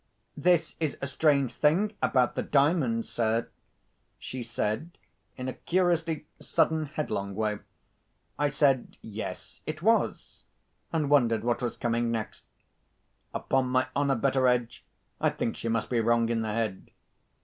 'This is a strange thing about the Diamond, sir,' she said, in a curiously sudden, headlong way. I said, 'Yes, it was,' and wondered what was coming next. Upon my honour, Betteredge, I think she must be wrong in the head!